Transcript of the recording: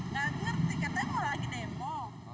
nggak ngerti katanya mau lagi demo